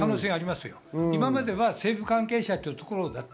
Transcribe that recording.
今までは政府関係者というところだった。